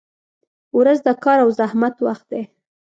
• ورځ د کار او زحمت وخت دی.